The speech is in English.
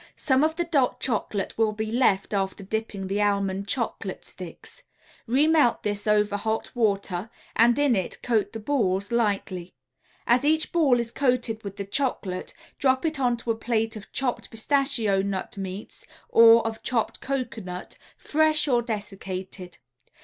Some of the "Dot" Chocolate will be left after dipping the almond chocolate sticks. Remelt this over hot water, and in it coat the balls lightly. As each ball is coated with the chocolate drop it onto a plate of chopped pistachio nut meats or of chopped cocoanut (fresh or dessicated).